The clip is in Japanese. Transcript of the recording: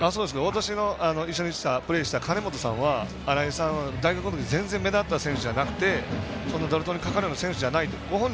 私が一緒にプレーした金本さんは新井さんは大学の時全然目立った選手じゃなくてドラフトにかかるような選手じゃないって。